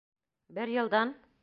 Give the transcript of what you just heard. Бер йылдан?